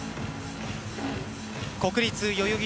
国立代々木